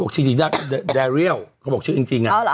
ชื่อดารียังบอกชื่อจริง